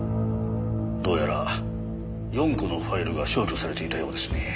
どうやら４個のファイルが消去されていたようですね。